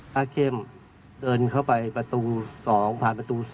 เข้มเดินเข้าไปประตู๒ผ่านประตู๒